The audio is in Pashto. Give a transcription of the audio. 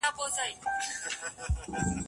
څوک چي حق وايي په دار دي څوک له ښاره وزي غلي